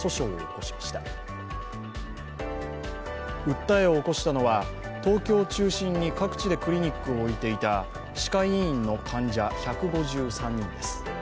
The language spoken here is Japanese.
訴えを起こしたのは東京を中心に各地でクリニックを置いていた歯科医院の患者１５３人です。